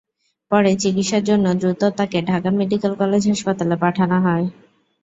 পরে চিকিত্সার জন্য দ্রুত তাকে ঢাকা মেডিকেল কলেজ হাসপাতালে পাঠানো হয়।